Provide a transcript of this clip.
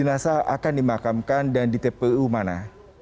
jenazah akan dimakamkan dan di tpu mana